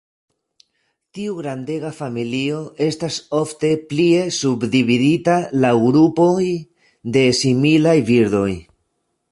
Tiu grandega familio estas ofte plie subdividita laŭ grupoj de similaj birdoj.